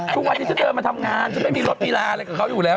ทุกวันนี้ฉันเดินมาทำงานฉันไม่มีรถมีลาอะไรกับเขาอยู่แล้ว